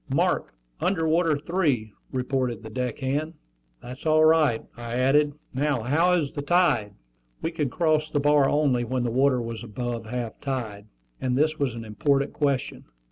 "Mark under water three," reported the deck hand. "That's all right," I added. "Now how is the tide?" We could cross the bar only when the water was above half tide; and this was an important question.